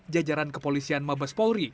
jajaran kepolisian mabes polri